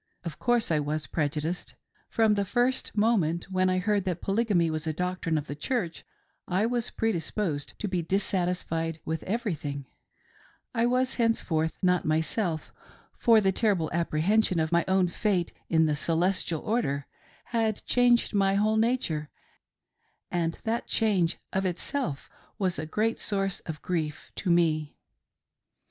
Of course I was prejudiced. From the first moment when I heard that Polygamy was a doctrine of the Church, I was predisposed to be dissatisfied with everything :— I was henceforth not myself, for the terrible apprehension of my own fate in the " Celestial Order" had changed my whole nature, and that change of itself was a great source of grief to me.